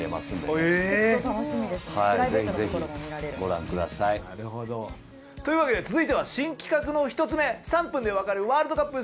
ぜひぜひご覧ください。というわけで続いては新企画の１つ目「３分で分かるワールドカップ！